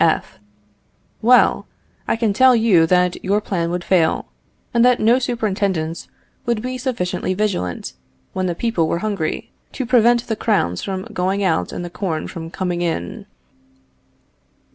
F. Well, I can tell you that your plan would fail, and that no superintendence would be sufficiently vigilant, when the people were hungry, to prevent the crowns from going out and the corn from coming in.